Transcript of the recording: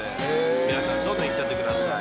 皆さん、どうぞ行っちゃってください。